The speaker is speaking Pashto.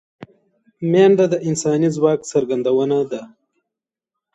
منډه د انساني ځواک څرګندونه ده